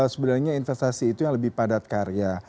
sebenarnya investasi itu yang lebih padat karya